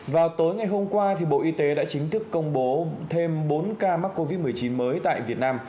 vào tối ngày hôm qua bộ y tế đã chính thức công bố thêm bốn ca mắc covid một mươi chín mới tại việt nam